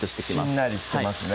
しんなりしてますね